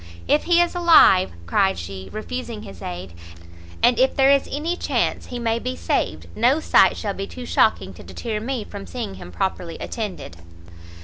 "If he is alive," cried she, refusing his aid, "and if there is any chance he may be saved, no sight shall be too shocking to deter me from seeing him properly attended."